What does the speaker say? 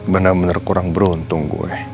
banda bener kurang beruntung